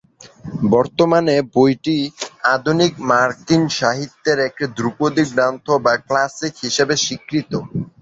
বর্তমানে বইটি আধুনিক মার্কিন সাহিত্যের একটি ধ্রুপদী গ্রন্থ বা "ক্লাসিক" হিসেবে স্বীকৃত।